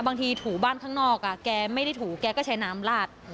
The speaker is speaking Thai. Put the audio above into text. ถูบ้านข้างนอกแกไม่ได้ถูแกก็ใช้น้ำลาด